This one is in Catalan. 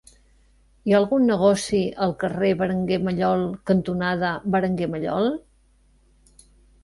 Hi ha algun negoci al carrer Berenguer Mallol cantonada Berenguer Mallol?